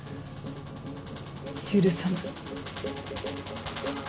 許さない。